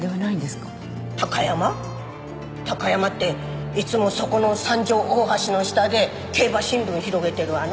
高山っていつもそこの三条大橋の下で競馬新聞広げてるあの？